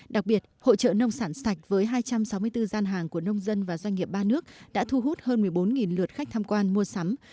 đặc biệt hội trợ nông sản sạch với hai trăm sáu mươi bốn gian hàng của nông dân và doanh nghiệp ba nước đã thu hút hơn một mươi bốn lượt khách tham quan mua sắm